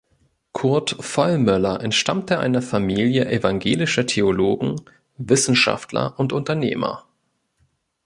Kurt Vollmöller entstammte einer Familie evangelischer Theologen, Wissenschaftler und Unternehmer.